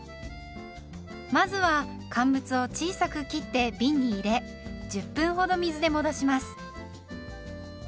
まずは乾物を小さく切ってびんに入れ１０分ほど水で戻します。